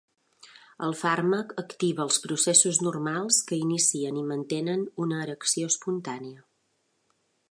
El fàrmac activa els processos normals que inicien i mantenen una erecció espontània.